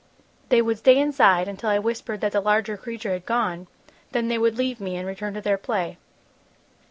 "They would stay inside until I whispered that the larger creature had gone, then they would leave me and return to their play.